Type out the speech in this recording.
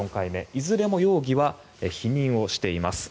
いずれも容疑は否認をしています。